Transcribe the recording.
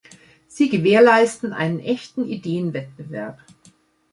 Sie gewährleisten einen echten Ideenwettbewerb.